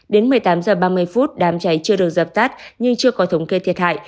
đến một mươi tám h ba mươi đám cháy chưa được dập tắt nhưng chưa có thống kê thiệt hại